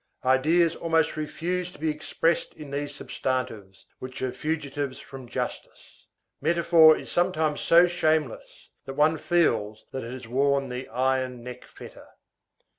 Ideas almost refuse to be expressed in these substantives which are fugitives from justice. Metaphor is sometimes so shameless, that one feels that it has worn the iron neck fetter.